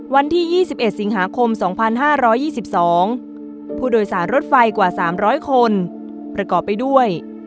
วันที่๒๑สิงหาคม๒๕๒๒ผู้โดยสารรถไฟกว่า๓๐๐คนประกอบไปด้วย